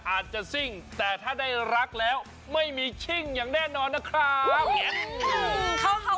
ซิ่งแต่ถ้าได้รักแล้วไม่มีชิ่งอย่างแน่นอนนะครับ